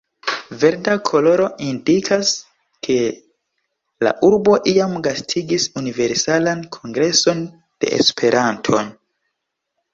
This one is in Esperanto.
Verda koloro indikas, ke la urbo iam gastigis Universalan Kongreson de Esperanto.